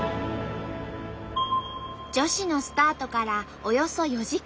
女子のスタートからおよそ４時間。